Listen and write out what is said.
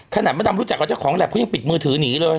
ขนาดมันทำรู้จักว่าเจ้าของแล็บเขายังปิดมือถือนีเลย